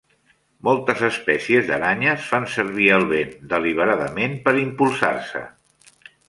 Moltes espècies d'aranyes fan servir el vent deliberadament per impulsar-se.